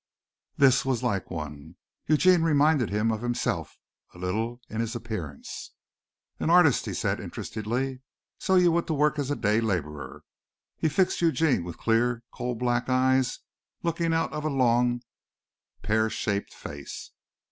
This was like one. Eugene reminded him of himself a little in his appearance. "An artist," he said interestedly. "So you want to work as a day laborer?" He fixed Eugene with clear, coal black eyes looking out of a long, pear shaped face.